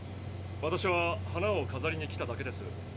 私は花をかざりに来ただけです。